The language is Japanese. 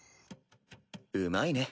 うまいね。